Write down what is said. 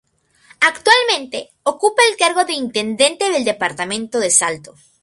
Actualmente ocupa el cargo de Intendente del Departamento de Salto.